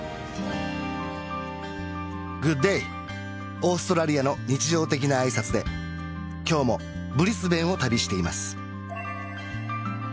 オーストラリアの日常的な挨拶で今日もブリスベンを旅しています